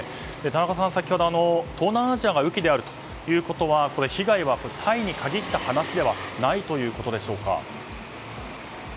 田中さん、先ほど東南アジアが雨季であるということはこれは被害はタイに限った話ではないということでしょうか？